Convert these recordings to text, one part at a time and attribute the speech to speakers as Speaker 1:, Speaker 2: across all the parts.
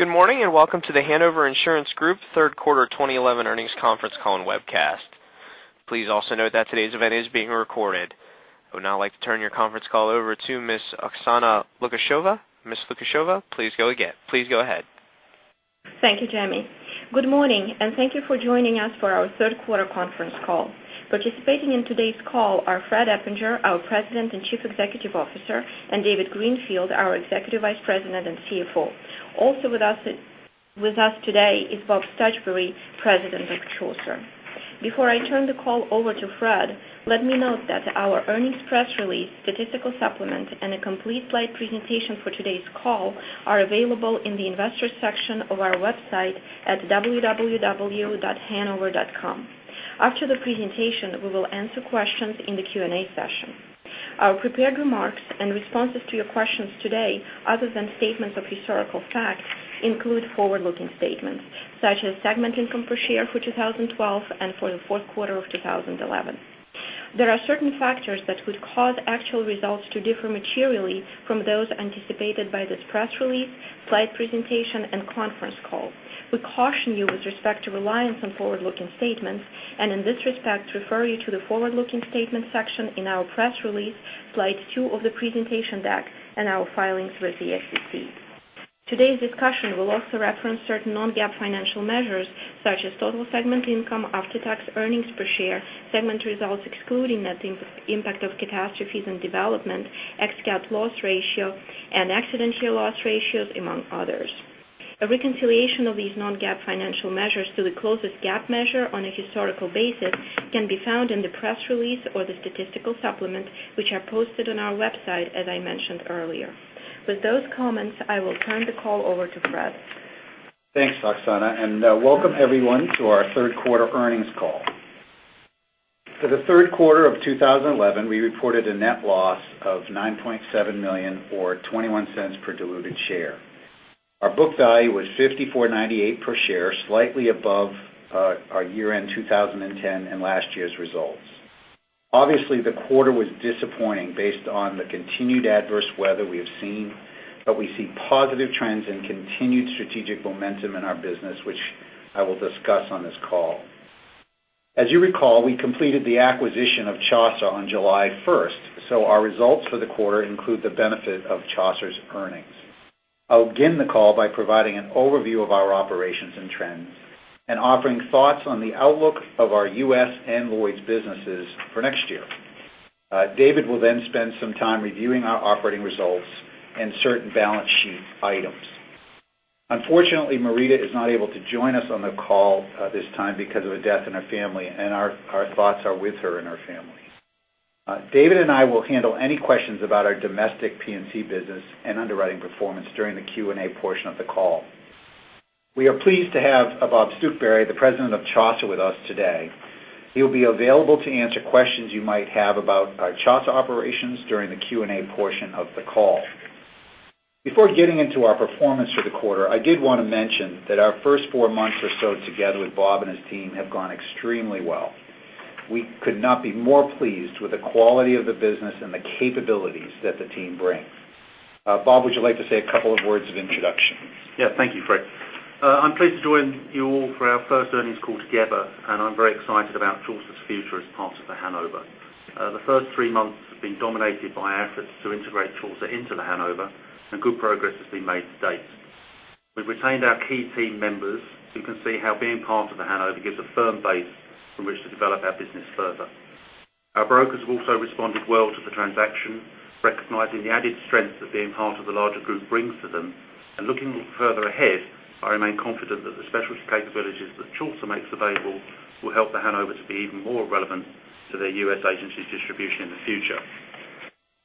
Speaker 1: Good morning, welcome to The Hanover Insurance Group third quarter 2011 earnings conference call and webcast. Please also note that today's event is being recorded. I would now like to turn your conference call over to Ms. Oksana Lukasheva. Ms. Lukasheva, please go ahead.
Speaker 2: Thank you, Jamie. Good morning, thank you for joining us for our third quarter conference call. Participating in today's call are Fred Eppinger, our President and Chief Executive Officer, and David Greenfield, our Executive Vice President and CFO. Also with us today is Bob Stuchbery, President of Chaucer. Before I turn the call over to Fred, let me note that our earnings press release, statistical supplement, and a complete slide presentation for today's call are available in the investors section of our website at www.hanover.com. After the presentation, we will answer questions in the Q&A session. Our prepared remarks and responses to your questions today, other than statements of historical fact, include forward-looking statements, such as segment income per share for 2012 and for the fourth quarter of 2011. There are certain factors that would cause actual results to differ materially from those anticipated by this press release, slide presentation, and conference call. We caution you with respect to reliance on forward-looking statements, in this respect, refer you to the forward-looking statements section in our press release, slide two of the presentation deck, and our filings with the SEC. Today's discussion will also reference certain non-GAAP financial measures, such as total segment income, after-tax earnings per share, segment results excluding net impact of catastrophes and development, ex-cat loss ratio, and accident year loss ratios, among others. A reconciliation of these non-GAAP financial measures to the closest GAAP measure on a historical basis can be found in the press release or the statistical supplement, which are posted on our website, as I mentioned earlier. With those comments, I will turn the call over to Fred.
Speaker 3: Thanks, Oksana, welcome everyone to our third quarter earnings call. For the third quarter of 2011, we reported a net loss of $9.7 million or $0.21 per diluted share. Our book value was $54.98 per share, slightly above our year-end 2010 and last year's results. Obviously, the quarter was disappointing based on the continued adverse weather we have seen, we see positive trends and continued strategic momentum in our business, which I will discuss on this call. As you recall, we completed the acquisition of Chaucer on July 1st, so our results for the quarter include the benefit of Chaucer's earnings. I'll begin the call by providing an overview of our operations and trends and offering thoughts on the outlook of our U.S. and Lloyd's businesses for next year. David will spend some time reviewing our operating results and certain balance sheet items. Unfortunately, Marita is not able to join us on the call this time because of a death in her family, and our thoughts are with her and her family. David and I will handle any questions about our domestic P&C business and underwriting performance during the Q&A portion of the call. We are pleased to have Bob Stuchbery, the President of Chaucer, with us today. He'll be available to answer questions you might have about our Chaucer operations during the Q&A portion of the call. Before getting into our performance for the quarter, I did want to mention that our first four months or so together with Bob and his team have gone extremely well. We could not be more pleased with the quality of the business and the capabilities that the team brings. Bob, would you like to say a couple of words of introduction?
Speaker 4: Yeah. Thank you, Fred. I'm pleased to join you all for our first earnings call together, and I'm very excited about Chaucer's future as part of The Hanover. The first three months have been dominated by efforts to integrate Chaucer into The Hanover, and good progress has been made to date. We've retained our key team members who can see how being part of The Hanover gives a firm base from which to develop our business further. Our brokers have also responded well to the transaction, recognizing the added strength that being part of the larger group brings to them. Looking further ahead, I remain confident that the specialty capabilities that Chaucer makes available will help The Hanover to be even more relevant to their U.S. agencies distribution in the future.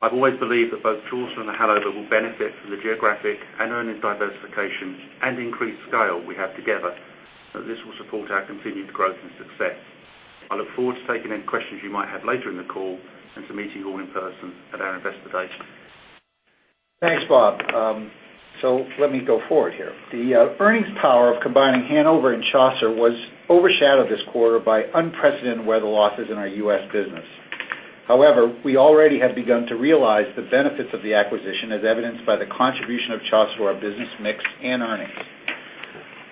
Speaker 4: I've always believed that both Chaucer and The Hanover will benefit from the geographic and earnings diversification and increased scale we have together, that this will support our continued growth and success. I look forward to taking any questions you might have later in the call and to meeting you all in person at our investor day.
Speaker 3: Thanks, Bob. Let me go forward here. The earnings power of combining Hanover and Chaucer was overshadowed this quarter by unprecedented weather losses in our U.S. business. However, we already have begun to realize the benefits of the acquisition, as evidenced by the contribution of Chaucer to our business mix and earnings.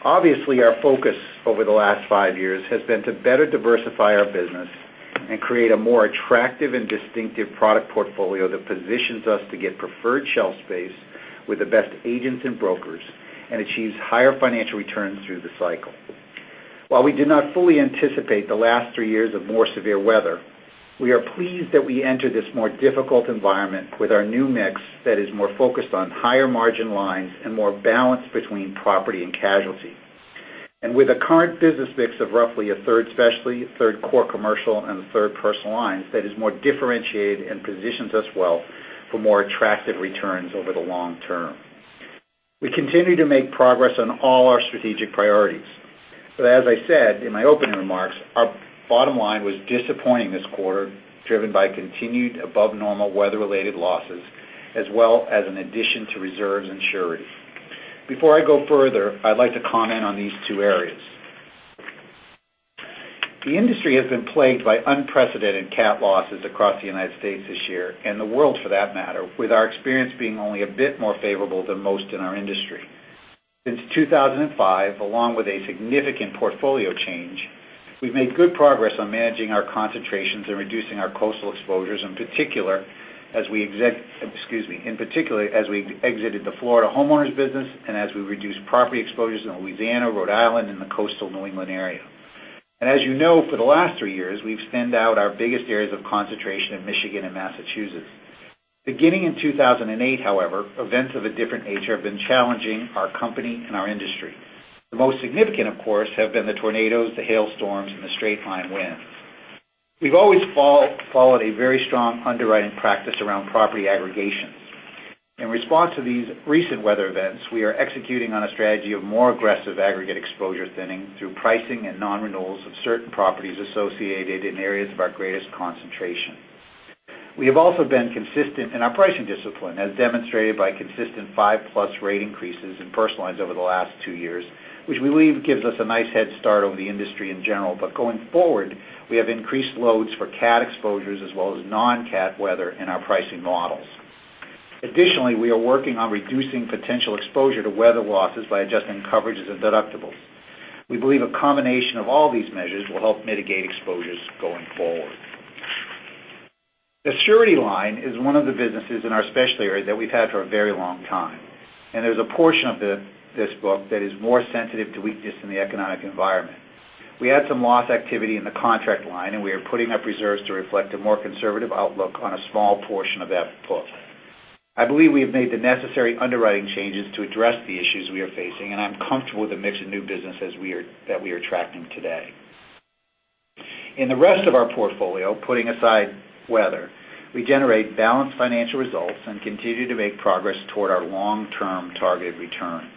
Speaker 3: Obviously, our focus over the last five years has been to better diversify our business and create a more attractive and distinctive product portfolio that positions us to get preferred shelf space with the best agents and brokers and achieves higher financial returns through the cycle. While we did not fully anticipate the last three years of more severe weather, we are pleased that we enter this more difficult environment with our new mix that is more focused on higher margin lines and more balanced between property and casualty. With a current business mix of roughly a third specialty, a third core commercial, and a third personal lines, that is more differentiated and positions us well for more attractive returns over the long term. We continue to make progress on all our strategic priorities. As I said in my opening remarks, our bottom line was disappointing this quarter, driven by continued above normal weather-related losses, as well as an addition to reserves and surety. Before I go further, I'd like to comment on these two areas. The industry has been plagued by unprecedented cat losses across the U.S. this year, and the world for that matter, with our experience being only a bit more favorable than most in our industry. Since 2005, along with a significant portfolio change, we've made good progress on managing our concentrations and reducing our coastal exposures, in particular, as we exited the Florida homeowners business and as we reduced property exposures in Louisiana, Rhode Island, and the coastal New England area. As you know, for the last three years, we've thinned out our biggest areas of concentration in Michigan and Massachusetts. Beginning in 2008, however, events of a different nature have been challenging our company and our industry. The most significant, of course, have been the tornadoes, the hailstorms, and the straight-line winds. We've always followed a very strong underwriting practice around property aggregation. In response to these recent weather events, we are executing on a strategy of more aggressive aggregate exposure thinning through pricing and non-renewals of certain properties associated in areas of our greatest concentration. We have also been consistent in our pricing discipline, as demonstrated by consistent five-plus rate increases in personal lines over the last two years, which we believe gives us a nice head start over the industry in general. Going forward, we have increased loads for cat exposures as well as non-cat weather in our pricing models. Additionally, we are working on reducing potential exposure to weather losses by adjusting coverages and deductibles. We believe a combination of all these measures will help mitigate exposures going forward. The surety line is one of the businesses in our specialty area that we've had for a very long time, and there's a portion of this book that is more sensitive to weakness in the economic environment. We had some loss activity in the contract line, and we are putting up reserves to reflect a more conservative outlook on a small portion of that book. I believe we have made the necessary underwriting changes to address the issues we are facing, and I'm comfortable with the mix of new business that we are tracking today. In the rest of our portfolio, putting aside weather, we generate balanced financial results and continue to make progress toward our long-term target returns.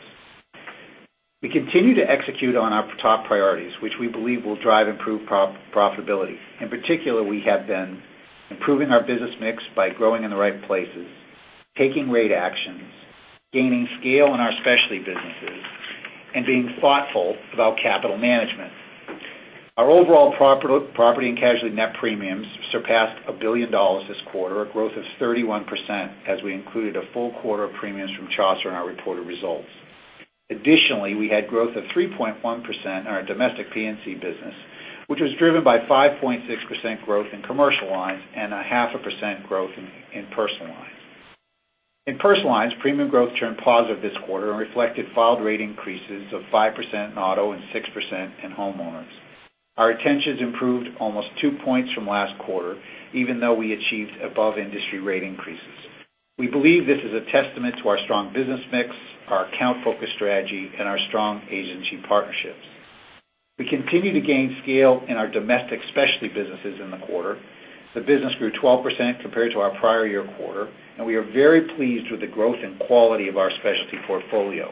Speaker 3: We continue to execute on our top priorities, which we believe will drive improved profitability. In particular, we have been improving our business mix by growing in the right places, taking rate actions, gaining scale in our specialty businesses, and being thoughtful about capital management. Our overall property and casualty net premiums surpassed $1 billion this quarter, a growth of 31% as we included a full quarter of premiums from Chaucer in our reported results. Additionally, we had growth of 3.1% in our domestic P&C business, which was driven by 5.6% growth in commercial lines and 0.5% growth in personal lines. In personal lines, premium growth turned positive this quarter and reflected filed rate increases of 5% in auto and 6% in homeowners. Our retentions improved almost two points from last quarter, even though we achieved above-industry rate increases. We believe this is a testament to our strong business mix, our account-focused strategy, and our strong agency partnerships. We continue to gain scale in our domestic specialty businesses in the quarter. The business grew 12% compared to our prior year quarter. We are very pleased with the growth and quality of our specialty portfolio.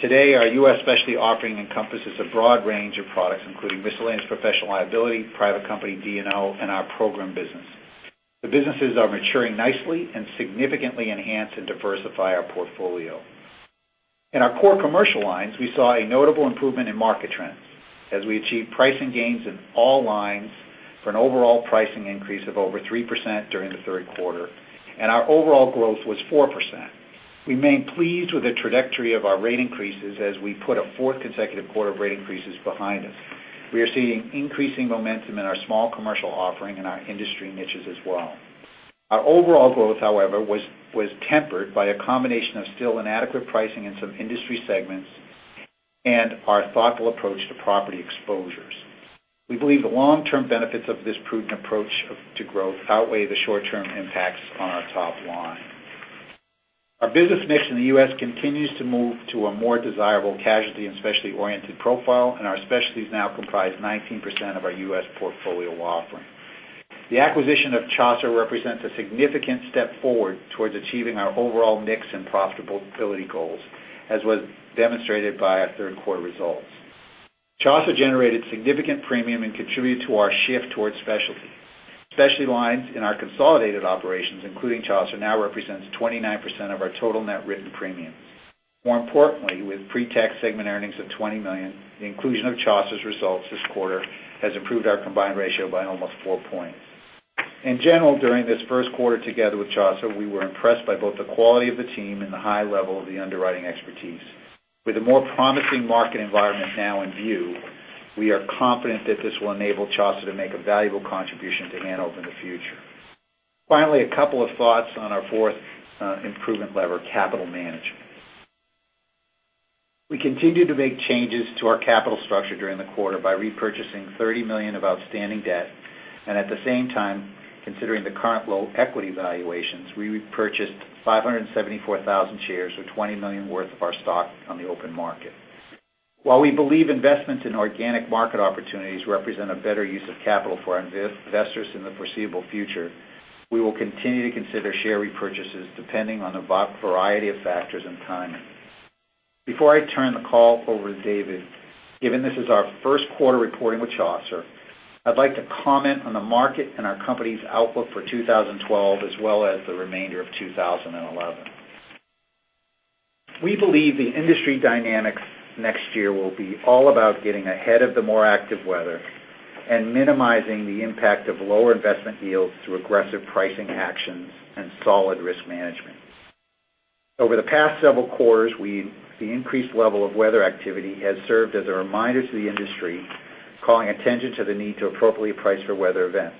Speaker 3: Today, our U.S. specialty offering encompasses a broad range of products, including miscellaneous professional liability, private company D&O, and our program business. The businesses are maturing nicely and significantly enhance and diversify our portfolio. In our core commercial lines, we saw a notable improvement in market trends as we achieved pricing gains in all lines for an overall pricing increase of over 3% during the third quarter. Our overall growth was 4%. We remain pleased with the trajectory of our rate increases as we put a fourth consecutive quarter of rate increases behind us. We are seeing increasing momentum in our small commercial offering and our industry niches as well. Our overall growth, however, was tempered by a combination of still inadequate pricing in some industry segments and our thoughtful approach to property exposures. We believe the long-term benefits of this prudent approach to growth outweigh the short-term impacts on our top line. Our business mix in the U.S. continues to move to a more desirable casualty and specialty-oriented profile, and our specialties now comprise 19% of our U.S. portfolio offering. The acquisition of Chaucer represents a significant step forward towards achieving our overall mix and profitability goals, as was demonstrated by our third quarter results. Chaucer generated significant premium and contributed to our shift towards specialty. Specialty lines in our consolidated operations, including Chaucer, now represents 29% of our total net written premium. More importantly, with pre-tax segment earnings of $20 million, the inclusion of Chaucer's results this quarter has improved our combined ratio by almost four points. In general, during this first quarter together with Chaucer, we were impressed by both the quality of the team and the high level of the underwriting expertise. With a more promising market environment now in view, we are confident that this will enable Chaucer to make a valuable contribution to Hanover in the future. Finally, a couple of thoughts on our fourth improvement lever, capital management. We continued to make changes to our capital structure during the quarter by repurchasing $30 million of outstanding debt. At the same time, considering the current low equity valuations, we repurchased 574,000 shares or $20 million worth of our stock on the open market. We believe investments in organic market opportunities represent a better use of capital for our investors in the foreseeable future, we will continue to consider share repurchases depending on a variety of factors and timing. Before I turn the call over to David, given this is our first quarter reporting with Chaucer, I'd like to comment on the market and our company's outlook for 2012 as well as the remainder of 2011. We believe the industry dynamics next year will be all about getting ahead of the more active weather and minimizing the impact of lower investment yields through aggressive pricing actions and solid risk management. Over the past several quarters, the increased level of weather activity has served as a reminder to the industry, calling attention to the need to appropriately price for weather events.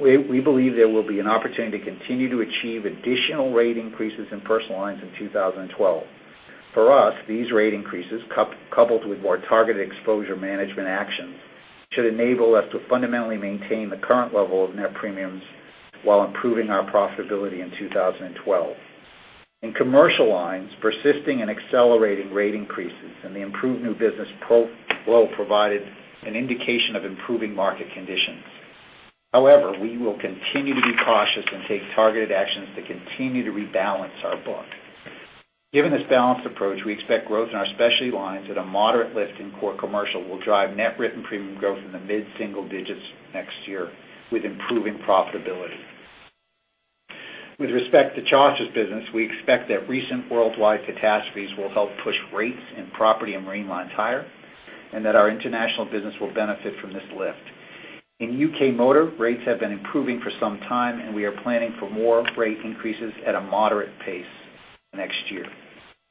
Speaker 3: We believe there will be an opportunity to continue to achieve additional rate increases in personal lines in 2012. For us, these rate increases, coupled with more targeted exposure management actions, should enable us to fundamentally maintain the current level of net premiums while improving our profitability in 2012. In commercial lines, persisting and accelerating rate increases and the improved new business flow provided an indication of improving market conditions. However, we will continue to be cautious and take targeted actions to continue to rebalance our book. Given this balanced approach, we expect growth in our specialty lines at a moderate lift in core commercial will drive net written premium growth in the mid-single digits next year with improving profitability. With respect to Chaucer's business, we expect that recent worldwide catastrophes will help push rates in property and marine lines higher and that our international business will benefit from this lift. In UK motor, rates have been improving for some time, and we are planning for more rate increases at a moderate pace next year.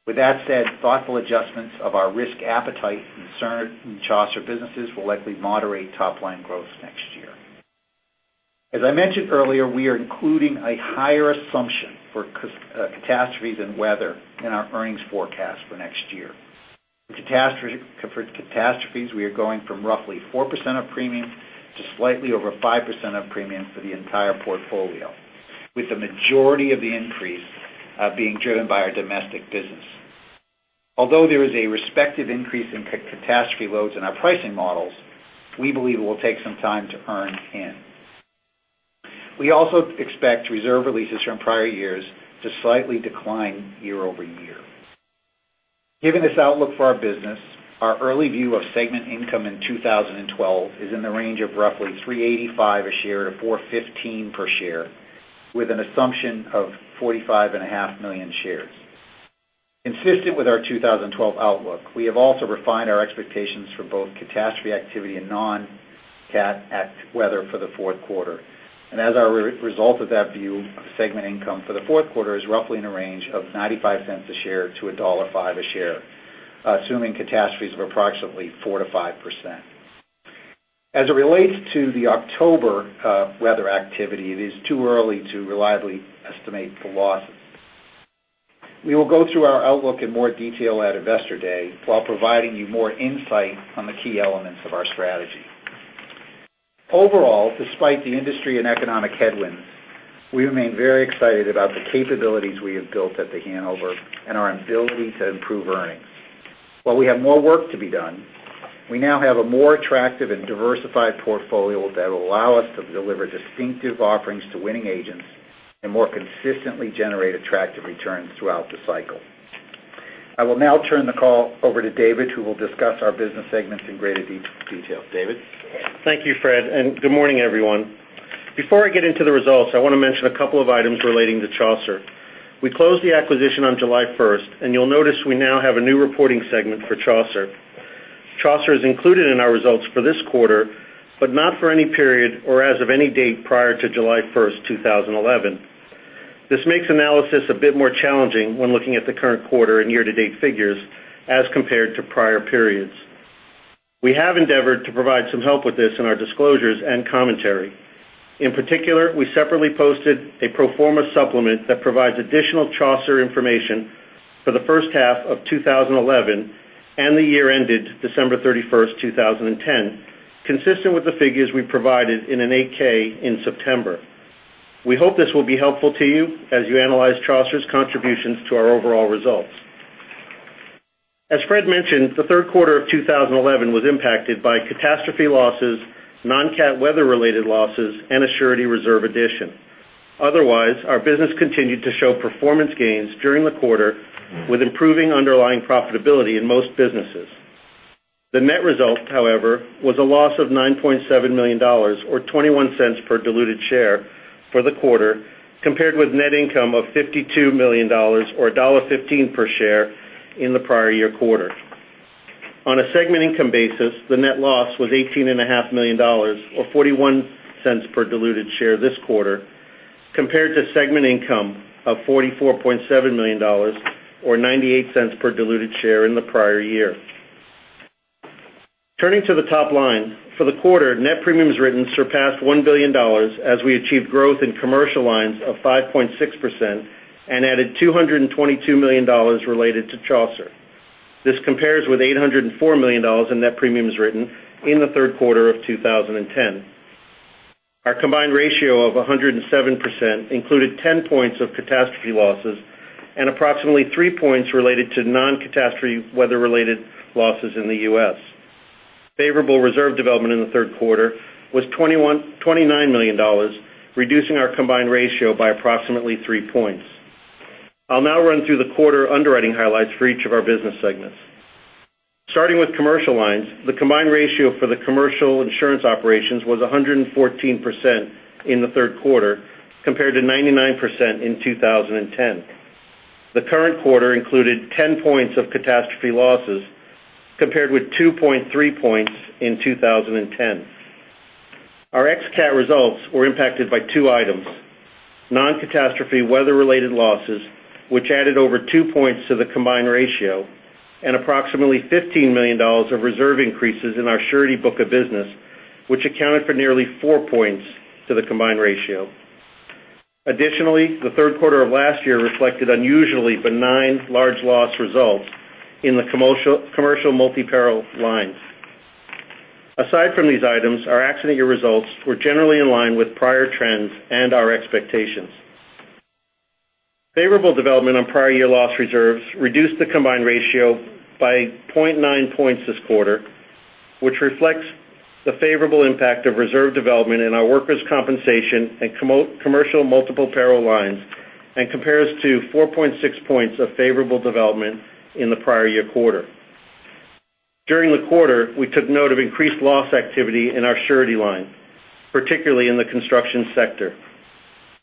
Speaker 3: With that said, thoughtful adjustments of our risk appetite in certain Chaucer businesses will likely moderate top-line growth next year. As I mentioned earlier, we are including a higher assumption for catastrophes and weather in our earnings forecast for next year. For catastrophes, we are going from roughly 4% of premiums to slightly over 5% of premiums for the entire portfolio, with the majority of the increase being driven by our domestic business. Although there is a respective increase in catastrophe loads in our pricing models, we believe it will take some time to earn in. We also expect reserve releases from prior years to slightly decline year-over-year. Given this outlook for our business, our early view of segment income in 2012 is in the range of roughly $3.85 a share-$4.15 per share, with an assumption of 45.5 million shares. Consistent with our 2012 outlook, we have also refined our expectations for both catastrophe activity and non-cat weather for the fourth quarter. As a result of that view of segment income for the fourth quarter is roughly in a range of $0.95 a share-$1.05 a share, assuming catastrophes of approximately 4%-5%. As it relates to the October weather activity, it is too early to reliably estimate the losses. We will go through our outlook in more detail at Investor Day while providing you more insight on the key elements of our strategy. Overall, despite the industry and economic headwinds, we remain very excited about the capabilities we have built at The Hanover and our ability to improve earnings. While we have more work to be done, we now have a more attractive and diversified portfolio that will allow us to deliver distinctive offerings to winning agents and more consistently generate attractive returns throughout the cycle. I will now turn the call over to David, who will discuss our business segments in greater detail. David?
Speaker 5: Thank you, Fred. Good morning, everyone. Before I get into the results, I want to mention a couple of items relating to Chaucer. We closed the acquisition on July 1st, and you'll notice we now have a new reporting segment for Chaucer. Chaucer is included in our results for this quarter, but not for any period or as of any date prior to July 1st, 2011. This makes analysis a bit more challenging when looking at the current quarter and year-to-date figures as compared to prior periods. We have endeavored to provide some help with this in our disclosures and commentary. In particular, we separately posted a pro forma supplement that provides additional Chaucer information for the first half of 2011 and the year ended December 31st, 2010, consistent with the figures we provided in an 8-K in September. We hope this will be helpful to you as you analyze Chaucer's contributions to our overall results. As Fred mentioned, the third quarter of 2011 was impacted by catastrophe losses, non-cat weather-related losses, and a surety reserve addition. Otherwise, our business continued to show performance gains during the quarter with improving underlying profitability in most businesses. The net result, however, was a loss of $9.7 million, or $0.21 per diluted share for the quarter, compared with net income of $52 million, or $1.15 per share in the prior year quarter. On a segment income basis, the net loss was $18.5 million, or $0.41 per diluted share this quarter, compared to segment income of $44.7 million, or $0.98 per diluted share in the prior year. Turning to the top line, for the quarter, net premiums written surpassed $1 billion as we achieved growth in commercial lines of 5.6% and added $222 million related to Chaucer. This compares with $804 million in net premiums written in the third quarter of 2010. Our combined ratio of 107% included 10 points of catastrophe losses and approximately three points related to non-catastrophe weather-related losses in the U.S. Favorable reserve development in the third quarter was $29 million, reducing our combined ratio by approximately three points. I'll now run through the quarter underwriting highlights for each of our business segments. Starting with commercial lines, the combined ratio for the commercial insurance operations was 114% in the third quarter compared to 99% in 2010. The current quarter included 10 points of catastrophe losses, compared with 2.3 points in 2010. Our ex-cat results were impacted by two items, non-catastrophe weather-related losses, which added over two points to the combined ratio, and approximately $15 million of reserve increases in our surety book of business, which accounted for nearly four points to the combined ratio. Additionally, the third quarter of last year reflected unusually benign large loss results in the commercial multi-peril lines. Aside from these items, our accident year results were generally in line with prior trends and our expectations. Favorable development on prior year loss reserves reduced the combined ratio by 0.9 points this quarter, which reflects the favorable impact of reserve development in our workers' compensation and commercial multi-peril lines, and compares to 4.6 points of favorable development in the prior year quarter. During the quarter, we took note of increased loss activity in our surety line, particularly in the construction sector.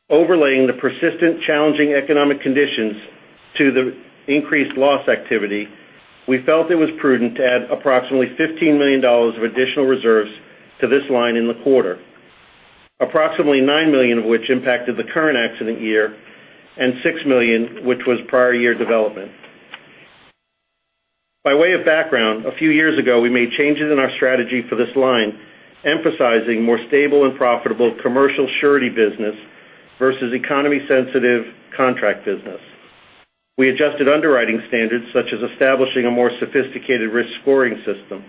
Speaker 5: Overlaying the persistent challenging economic conditions to the increased loss activity, we felt it was prudent to add approximately $15 million of additional reserves to this line in the quarter, approximately $9 million of which impacted the current accident year and $6 million which was prior year development. By way of background, a few years ago, we made changes in our strategy for this line, emphasizing more stable and profitable commercial surety business versus economy-sensitive contract business. We adjusted underwriting standards, such as establishing a more sophisticated risk scoring system.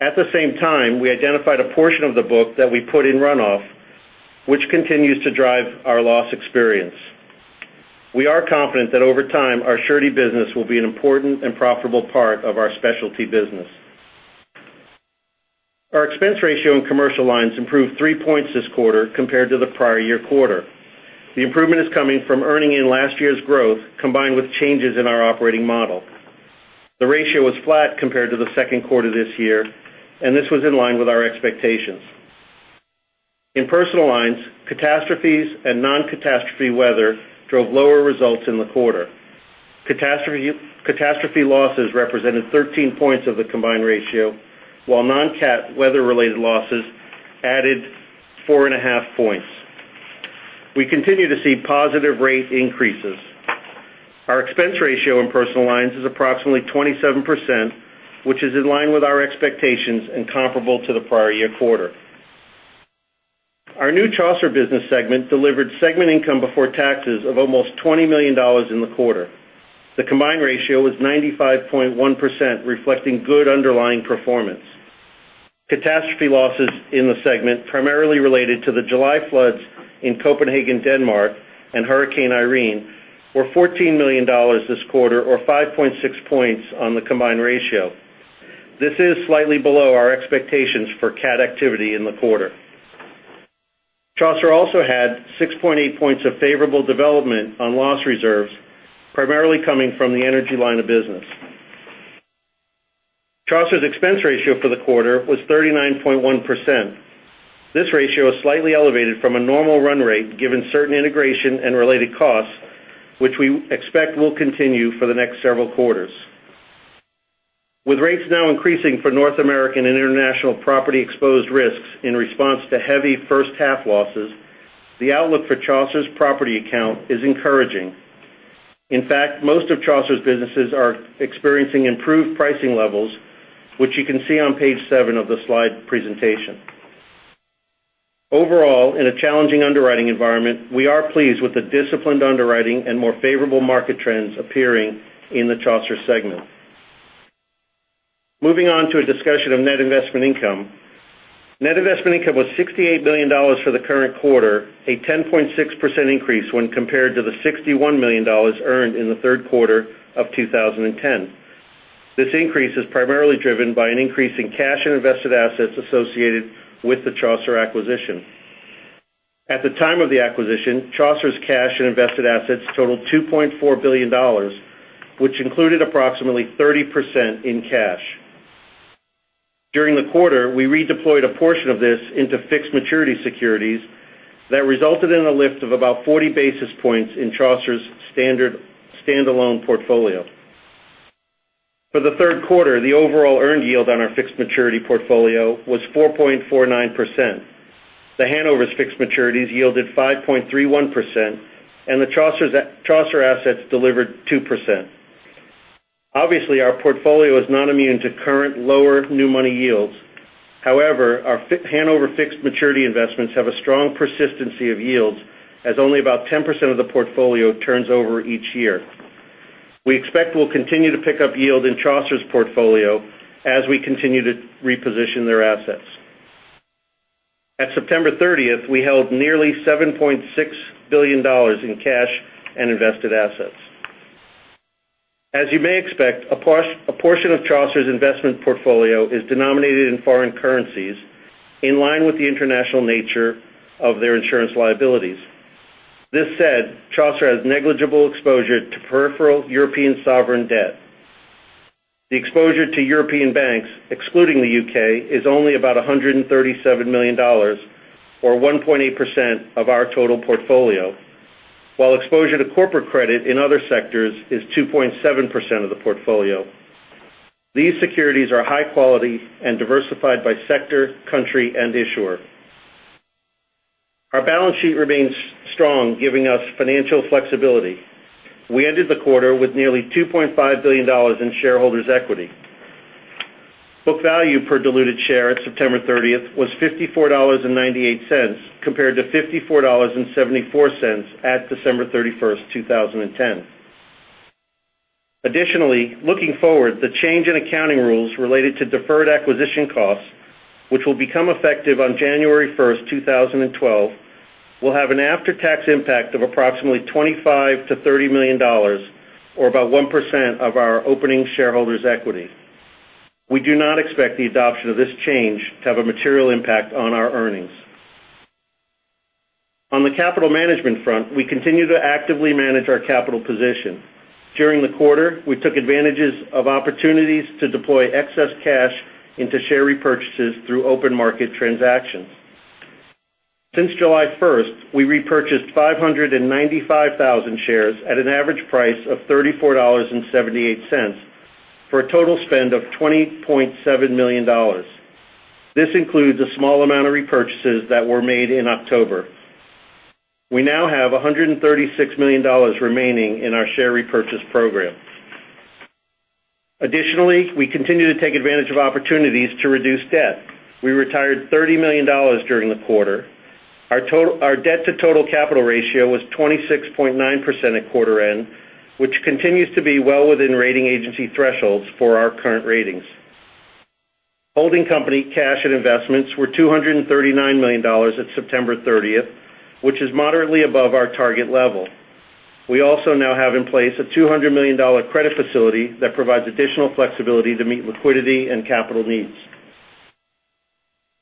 Speaker 5: At the same time, we identified a portion of the book that we put in runoff, which continues to drive our loss experience. We are confident that over time, our surety business will be an important and profitable part of our specialty business. Our expense ratio in commercial lines improved three points this quarter compared to the prior year quarter. The improvement is coming from earning in last year's growth, combined with changes in our operating model. The ratio was flat compared to the second quarter this year, and this was in line with our expectations. In personal lines, catastrophes and non-catastrophe weather drove lower results in the quarter. Catastrophe losses represented 13 points of the combined ratio, while non-cat weather-related losses added four and a half points. We continue to see positive rate increases. Our expense ratio in personal lines is approximately 27%, which is in line with our expectations and comparable to the prior year quarter. Our new Chaucer business segment delivered segment income before taxes of almost $20 million in the quarter. The combined ratio was 95.1%, reflecting good underlying performance. Catastrophe losses in the segment, primarily related to the July floods in Copenhagen, Denmark, and Hurricane Irene, were $14 million this quarter or 5.6 points on the combined ratio. This is slightly below our expectations for cat activity in the quarter. Chaucer also had 6.8 points of favorable development on loss reserves, primarily coming from the energy line of business. Chaucer's expense ratio for the quarter was 39.1%. This ratio is slightly elevated from a normal run rate given certain integration and related costs, which we expect will continue for the next several quarters. With rates now increasing for North American and international property exposed risks in response to heavy first-half losses, the outlook for Chaucer's property account is encouraging. In fact, most of Chaucer's businesses are experiencing improved pricing levels, which you can see on page seven of the slide presentation. Overall, in a challenging underwriting environment, we are pleased with the disciplined underwriting and more favorable market trends appearing in the Chaucer segment. Moving on to a discussion of net investment income. Net investment income was $68 million for the current quarter, a 10.6% increase when compared to the $61 million earned in the third quarter of 2010. This increase is primarily driven by an increase in cash and invested assets associated with the Chaucer acquisition. At the time of the acquisition, Chaucer's cash and invested assets totaled $2.4 billion, which included approximately 30% in cash. During the quarter, we redeployed a portion of this into fixed maturity securities that resulted in a lift of about 40 basis points in Chaucer's stand-alone portfolio. For the third quarter, the overall earned yield on our fixed maturity portfolio was 4.49%. The Hanover's fixed maturities yielded 5.31%, and the Chaucer assets delivered 2%. Our portfolio is not immune to current lower new money yields. Our Hanover fixed maturity investments have a strong persistency of yields, as only about 10% of the portfolio turns over each year. We expect we'll continue to pick up yield in Chaucer's portfolio as we continue to reposition their assets. At September 30th, we held nearly $7.6 billion in cash and invested assets. As you may expect, a portion of Chaucer's investment portfolio is denominated in foreign currencies in line with the international nature of their insurance liabilities. This said, Chaucer has negligible exposure to peripheral European sovereign debt. The exposure to European banks, excluding the U.K., is only about $137 million, or 1.8% of our total portfolio. While exposure to corporate credit in other sectors is 2.7% of the portfolio. These securities are high quality and diversified by sector, country, and issuer. Our balance sheet remains strong, giving us financial flexibility. We ended the quarter with nearly $2.5 billion in shareholders' equity. Book value per diluted share at September 30th was $54.98 compared to $54.74 at December 31st, 2010. Looking forward, the change in accounting rules related to deferred acquisition costs, which will become effective on January 1st, 2012, will have an after-tax impact of approximately $25 million-$30 million, or about 1% of our opening shareholders' equity. We do not expect the adoption of this change to have a material impact on our earnings. On the capital management front, we continue to actively manage our capital position. During the quarter, we took advantages of opportunities to deploy excess cash into share repurchases through open market transactions. Since July 1st, we repurchased 595,000 shares at an average price of $34.78 for a total spend of $20.7 million. This includes a small amount of repurchases that were made in October. We now have $136 million remaining in our share repurchase program. We continue to take advantage of opportunities to reduce debt. We retired $30 million during the quarter. Our debt to total capital ratio was 26.9% at quarter end, which continues to be well within rating agency thresholds for our current ratings. Holding company cash and investments were $239 million at September 30th, which is moderately above our target level. We also now have in place a $200 million credit facility that provides additional flexibility to meet liquidity and capital needs.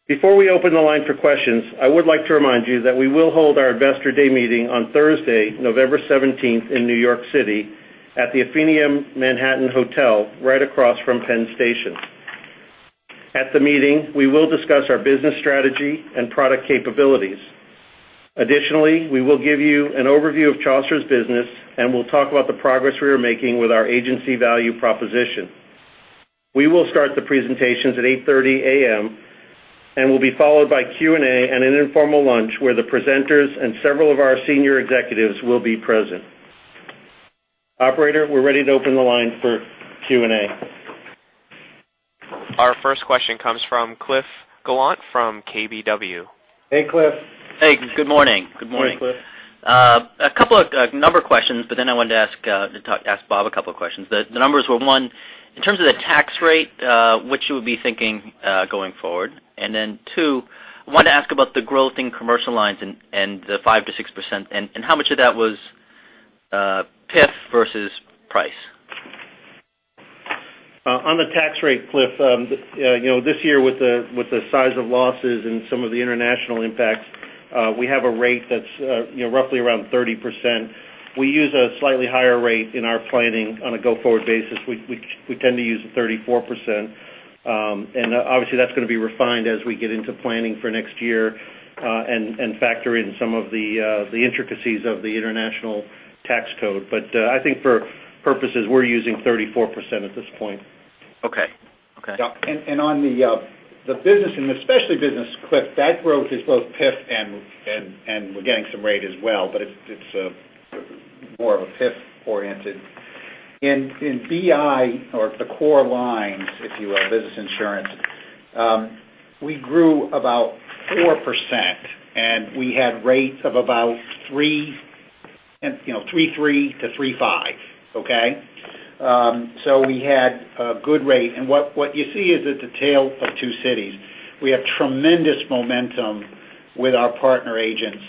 Speaker 5: Before we open the line for questions, I would like to remind you that we will hold our investor day meeting on Thursday, November 17th in New York City at the Affinia Manhattan Hotel, right across from Penn Station. At the meeting, we will discuss our business strategy and product capabilities. Additionally, we will give you an overview of Chaucer's business, and we'll talk about the progress we are making with our agency value proposition. We will start the presentations at 8:30 A.M. and will be followed by Q&A and an informal lunch where the presenters and several of our senior executives will be present. Operator, we're ready to open the line for Q&A.
Speaker 1: Our first question comes from Cliff Gallant from KBW.
Speaker 5: Hey, Cliff.
Speaker 3: Hey, good morning.
Speaker 5: Good morning, Cliff.
Speaker 6: A couple of number questions, I wanted to ask Bob a couple of questions. The numbers were, one, in terms of the tax rate, what you would be thinking going forward. Two, I wanted to ask about the growth in commercial lines and the 5%-6%, and how much of that was PIF versus price.
Speaker 5: On the tax rate, Cliff, this year with the size of losses and some of the international impacts, we have a rate that's roughly around 30%. We use a slightly higher rate in our planning on a go-forward basis. We tend to use 34%. Obviously, that's going to be refined as we get into planning for next year, and factor in some of the intricacies of the international tax code. I think for purposes, we're using 34% at this point.
Speaker 3: Okay.
Speaker 5: Yeah.
Speaker 3: On the business, and especially business, Cliff, that growth is both PIF and we're getting some rate as well, but it's more of a PIF oriented. In BI or the core lines, if you will, business insurance, we grew about 4%, and we had rates of about 3.3%-3.5%. Okay? We had a good rate. What you see is it's a tale of two cities. We have tremendous momentum with our partner agents.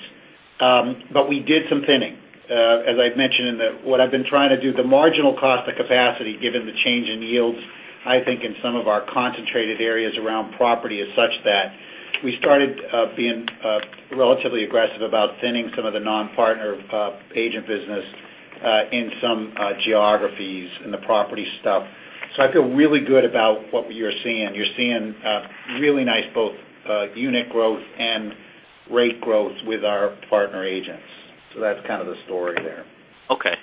Speaker 3: We did some thinning. As I've mentioned, what I've been trying to do, the marginal cost of capacity, given the change in yields, I think in some of our concentrated areas around property is such that we started being relatively aggressive about thinning some of the non-partner agent business in some geographies in the property stuff. I feel really good about what we are seeing. You're seeing really nice both unit growth and rate growth with our partner agents. That's kind of the story there. Okay.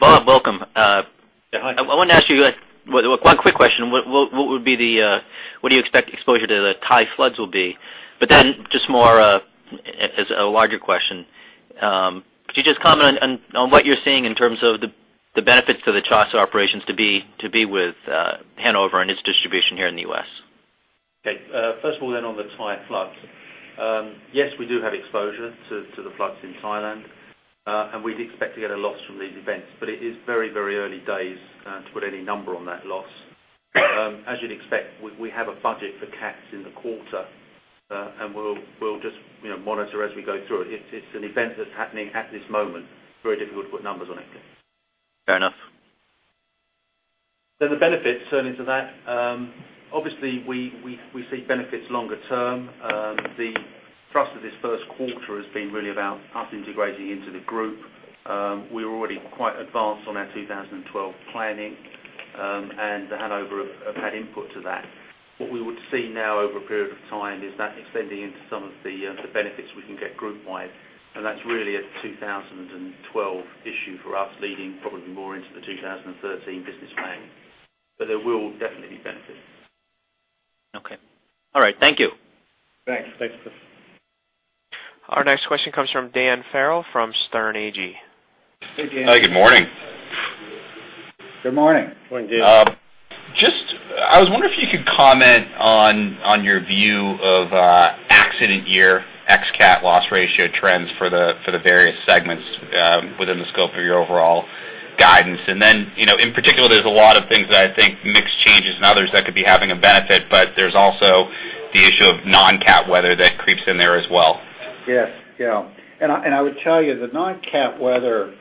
Speaker 3: Mark Welzenbach.
Speaker 6: Yeah, hi. I wanted to ask you one quick question. What do you expect exposure to the Thai floods will be? Just more as a larger question, could you just comment on what you're seeing in terms of the benefits to the Chaucer operations to be with Hanover and its distribution here in the U.S.?
Speaker 4: Okay. First of all, on the Thai floods. Yes, we do have exposure to the floods in Thailand. We'd expect to get a loss from these events. It is very early days to put any number on that loss. As you'd expect, we have a budget for cats in the quarter, and we'll just monitor as we go through. It's an event that's happening at this moment. Very difficult to put numbers on it. Fair enough. The benefits turning to that, obviously we see benefits longer term. The thrust of this first quarter has been really about us integrating into the group. We were already quite advanced on our 2012 planning, and The Hanover have had input to that. What we would see now over a period of time is that extending into some of the benefits we can get group wide, and that's really a 2012 issue for us, leading probably more into the 2013 business plan. There will definitely be benefits.
Speaker 6: Okay. All right. Thank you.
Speaker 3: Thanks. Thanks, Cliff.
Speaker 1: Our next question comes from Dan Farrell from Sterne Agee.
Speaker 3: Hey, Dan.
Speaker 7: Hi, good morning.
Speaker 3: Good morning.
Speaker 5: Morning, Dan.
Speaker 7: Just I was wondering if you could comment on your view of accident year ex-cat loss ratio trends for the various segments within the scope of your overall guidance. In particular, there's a lot of things that I think mix changes and others that could be having a benefit, but there's also the issue of non-cat weather that creeps in there as well.
Speaker 3: Yes. Yeah. I would tell you the non-cat weather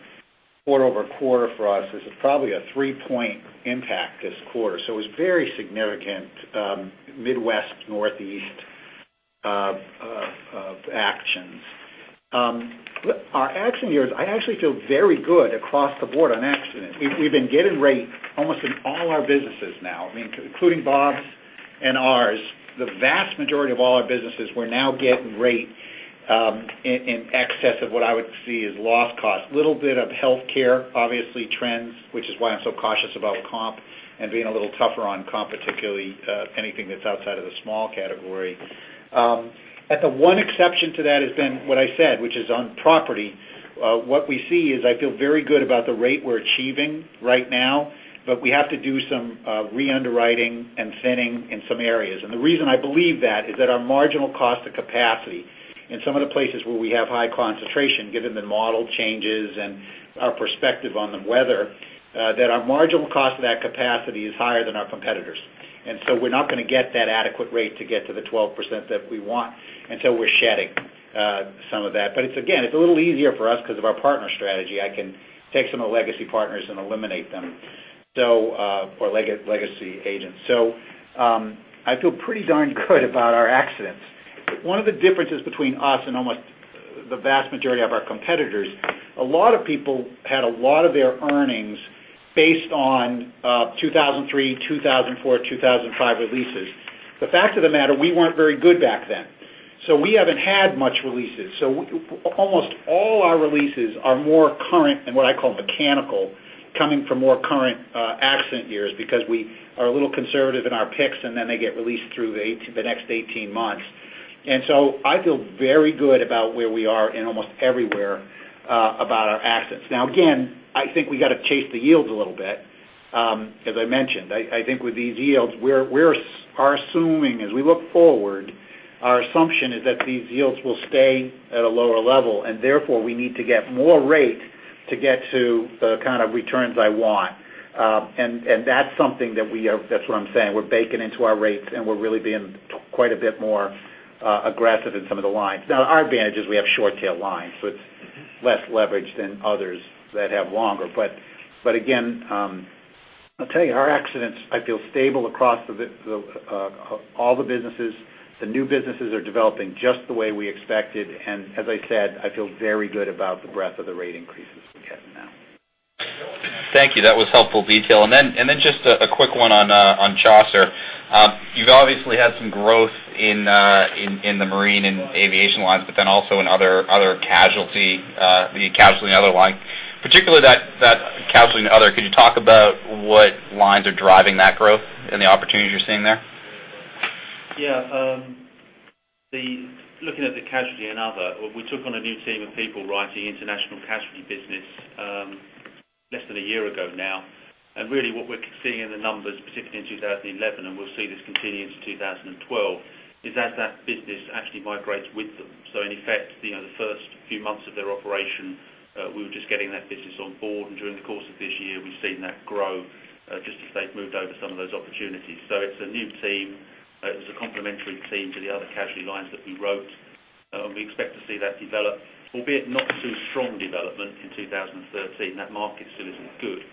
Speaker 3: quarter-over-quarter for us is probably a three-point impact this quarter. It's very significant Midwest, Northeast actions. Our accident years, I actually feel very good across the board on accident. We've been getting rate almost in all our businesses now, including Bob's and ours. The vast majority of all our businesses, we're now getting rate in excess of what I would see as loss cost. Little bit of healthcare obviously trends, which is why I'm so cautious about comp and being a little tougher on comp, particularly anything that's outside of the small category. The one exception to that has been what I said, which is on property. What we see is I feel very good about the rate we're achieving right now, but we have to do some re-underwriting and thinning in some areas. The reason I believe that is that our marginal cost of capacity in some of the places where we have high concentration, given the model changes and our perspective on the weather, that our marginal cost of that capacity is higher than our competitors. We're not going to get that adequate rate to get to the 12% that we want until we're shedding some of that. Again, it's a little easier for us because of our partner strategy. I can take some of the legacy partners and eliminate them, or legacy agents. I feel pretty darn good about our accidents. One of the differences between us and almost the vast majority of our competitors, a lot of people had a lot of their earnings based on 2003, 2004, 2005 releases. The fact of the matter, we weren't very good back then, so we haven't had much releases. Almost all our releases are more current and what I call mechanical, coming from more current accident years because we are a little conservative in our picks, and then they get released through the next 18 months. I feel very good about where we are in almost everywhere about our assets. Again, I think we got to chase the yields a little bit as I mentioned. With these yields, we are assuming as we look forward, our assumption is that these yields will stay at a lower level and therefore we need to get more rate to get to the kind of returns I want. That's something that we are, that's what I'm saying, we're baking into our rates and we're really being quite a bit more aggressive in some of the lines. Our advantage is we have short tail lines, so it's less leverage than others that have longer. Again, I'll tell you our accidents, I feel stable across all the businesses. The new businesses are developing just the way we expected, and as I said, I feel very good about the breadth of the rate increases we're getting now.
Speaker 7: Thank you. That was helpful detail. Then just a quick one on Chaucer. You've obviously had some growth in the marine and aviation lines, then also in other casualty and other line. Particularly that casualty and other, could you talk about what lines are driving that growth and the opportunities you're seeing there?
Speaker 4: Looking at the casualty and other, we took on a new team of people writing international casualty business less than a year ago now. Really what we're seeing in the numbers, particularly in 2011, and we'll see this continue into 2012, is that that business actually migrates with them. In effect, the first few months of their operation we were just getting that business on board. During the course of this year, we've seen that grow just as they've moved over some of those opportunities. It's a new team. It's a complementary team to the other casualty lines that we wrote. We expect to see that develop, albeit not too strong development in 2013. That market still isn't good.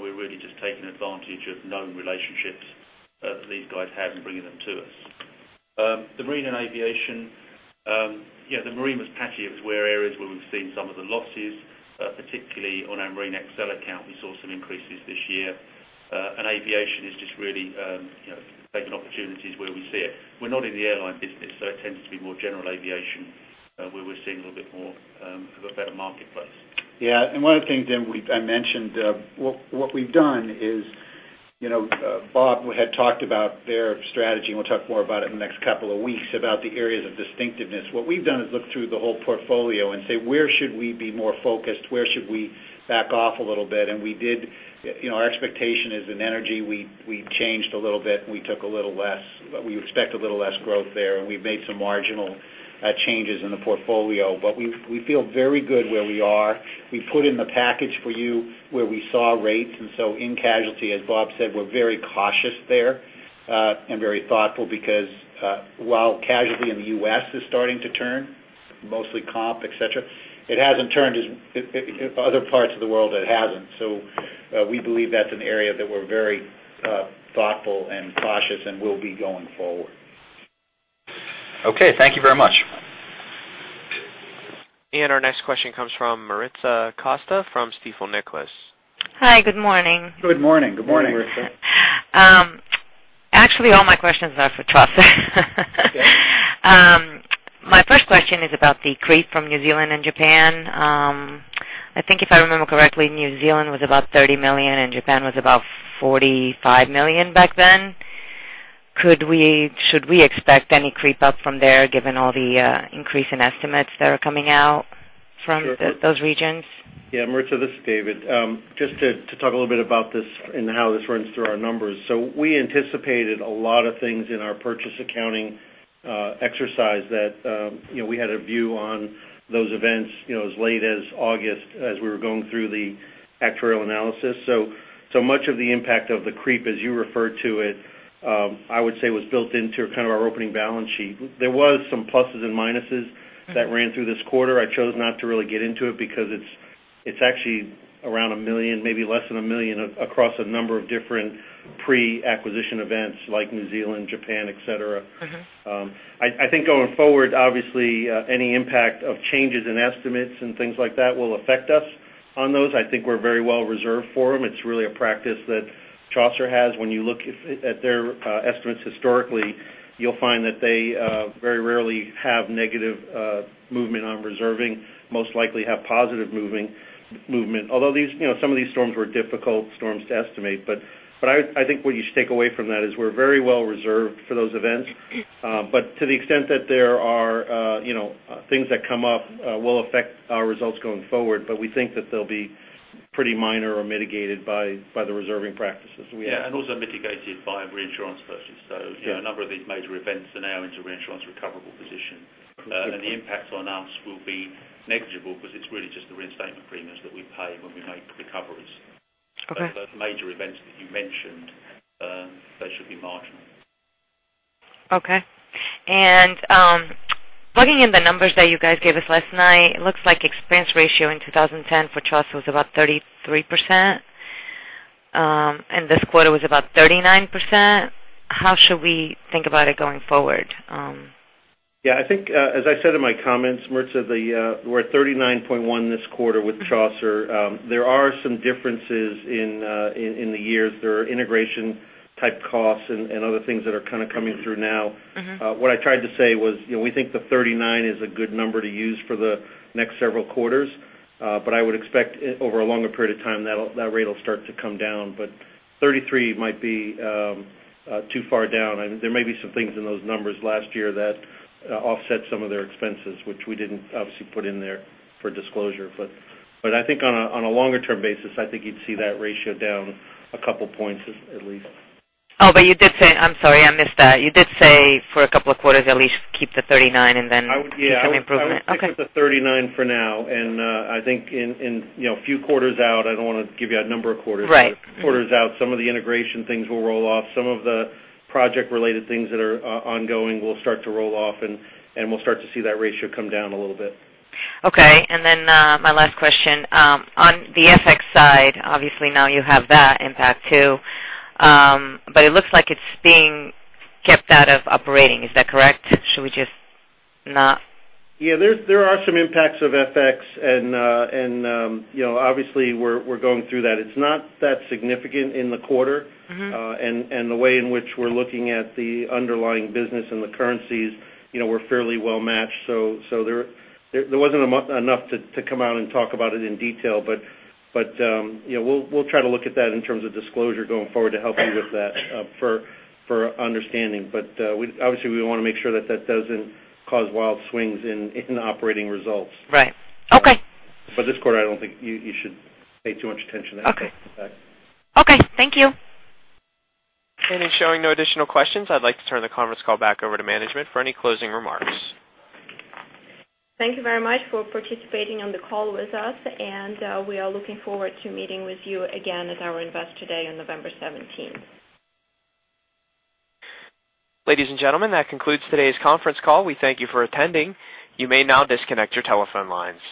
Speaker 4: We're really just taking advantage of known relationships that these guys have and bringing them to us. The marine and aviation, the marine was patchy. It was where areas where we've seen some of the losses, particularly on our Marine XL account, we saw some increases this year. Aviation is just really taking opportunities where we see it. We're not in the airline business, it tends to be more general aviation where we're seeing a little bit more of a better marketplace. One of the things, Dan, I mentioned, what we've done is Bob had talked about their strategy, and we'll talk more about it in the next couple of weeks about the areas of distinctiveness. What we've done is looked through the whole portfolio and say, where should we be more focused? Where should we back off a little bit? We did. Our expectation is in energy, we changed a little bit and we took a little less.
Speaker 3: We expect a little less growth there, we've made some marginal changes in the portfolio. We feel very good where we are. We put in the package for you where we saw rates. In casualty, as Bob said, we're very cautious there and very thoughtful because while casualty in the U.S. is starting to turn Mostly comp, et cetera. It hasn't turned as other parts of the world it hasn't. We believe that's an area that we're very thoughtful and cautious and will be going forward.
Speaker 7: Okay. Thank you very much.
Speaker 1: Our next question comes from Meyer Shields from Stifel Nicolaus.
Speaker 8: Hi. Good morning.
Speaker 5: Good morning.
Speaker 3: Good morning, Meyer.
Speaker 8: Actually, all my questions are for Chaucer.
Speaker 4: Okay.
Speaker 8: My first question is about the creep from New Zealand and Japan. I think if I remember correctly, New Zealand was about $30 million and Japan was about $45 million back then. Should we expect any creep up from there given all the increase in estimates that are coming out from those regions?
Speaker 5: Meyer, this is David. Just to talk a little bit about this and how this runs through our numbers. We anticipated a lot of things in our purchase accounting exercise that we had a view on those events as late as August as we were going through the actuarial analysis. Much of the impact of the creep, as you refer to it, I would say was built into kind of our opening balance sheet. There was some pluses and minuses that ran through this quarter. I chose not to really get into it because it's actually around $1 million, maybe less than $1 million, across a number of different pre-acquisition events like New Zealand, Japan, et cetera. I think going forward, obviously, any impact of changes in estimates and things like that will affect us on those. I think we're very well reserved for them. It's really a practice that Chaucer has. When you look at their estimates historically, you will find that they very rarely have negative movement on reserving, most likely have positive movement. Although some of these storms were difficult storms to estimate. I think what you should take away from that is we're very well reserved for those events. To the extent that there are things that come up will affect our results going forward, but we think that they will be pretty minor or mitigated by the reserving practices we have.
Speaker 4: Also mitigated by reinsurance versus. A number of these major events are now into reinsurance recoverable position. The impact on us will be negligible because it's really just the reinstatement premiums that we pay when we make recoveries.
Speaker 8: Okay.
Speaker 4: Those major events that you mentioned, they should be marginal.
Speaker 8: Okay. Plugging in the numbers that you guys gave us last night, it looks like expense ratio in 2010 for Chaucer was about 33%, and this quarter was about 39%. How should we think about it going forward?
Speaker 5: Yeah, I think, as I said in my comments, Maritza, we're at 39.1 this quarter with Chaucer. There are some differences in the years. There are integration type costs and other things that are kind of coming through now. What I tried to say was we think the 39 is a good number to use for the next several quarters. I would expect over a longer period of time, that rate will start to come down. 33 might be too far down. There may be some things in those numbers last year that offset some of their expenses, which we didn't obviously put in there for disclosure. I think on a longer term basis, I think you'd see that ratio down a couple points at least.
Speaker 8: You did say, I'm sorry, I missed that. You did say for a couple of quarters at least keep the 39 and then some improvement.
Speaker 5: Yeah.
Speaker 8: Okay.
Speaker 5: I would stick with the 39 for now. I think in a few quarters out, I don't want to give you a number of quarters
Speaker 8: Right
Speaker 5: Quarters out, some of the integration things will roll off. Some of the project related things that are ongoing will start to roll off, we'll start to see that ratio come down a little bit.
Speaker 8: Okay. My last question. On the FX side, obviously now you have that impact too. It looks like it's being kept out of operating. Is that correct? Should we just not?
Speaker 5: Yeah, there are some impacts of FX and obviously we're going through that. It's not that significant in the quarter. The way in which we're looking at the underlying business and the currencies, we're fairly well matched. There wasn't enough to come out and talk about it in detail. We'll try to look at that in terms of disclosure going forward to help you with that for understanding. Obviously we want to make sure that that doesn't cause wild swings in operating results.
Speaker 8: Right. Okay.
Speaker 5: This quarter, I don't think you should pay too much attention to that.
Speaker 8: Okay. Thank you.
Speaker 1: In showing no additional questions, I'd like to turn the conference call back over to management for any closing remarks.
Speaker 2: Thank you very much for participating on the call with us, and we are looking forward to meeting with you again at our Investor Day on November 17th.
Speaker 1: Ladies and gentlemen, that concludes today's conference call. We thank you for attending. You may now disconnect your telephone lines.